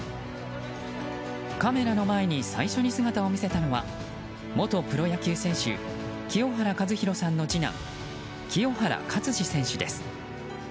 カメラの前に最初に姿を見せたのは元プロ野球選手清原和博さんの次男清原勝児選手です。